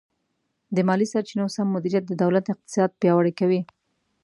د مالي سرچینو سم مدیریت د دولت اقتصاد پیاوړی کوي.